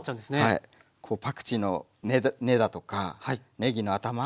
あとパクチーの根だとかねぎの頭